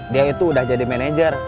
dia itu udah jadi manajer